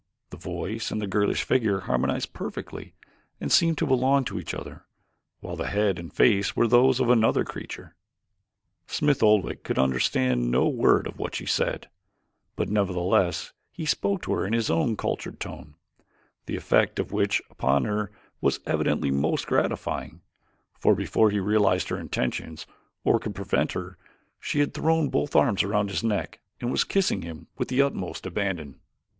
The voice and the girlish figure harmonized perfectly and seemed to belong to each other, while the head and face were those of another creature. Smith Oldwick could understand no word of what she said, but nevertheless he spoke to her in his own cultured tone, the effect of which upon her was evidently most gratifying, for before he realized her intentions or could prevent her she had thrown both arms about his neck and was kissing him with the utmost abandon.